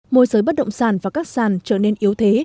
môi giới bất động sản và các sàn trở nên yếu thế